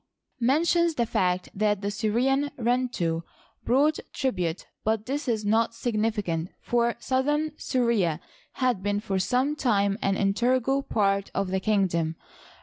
mentions the fact that the Syrians {Ruienu) brought trib ute; but this is not significant, for southern Syria had been for some time an integral part of the kingdom.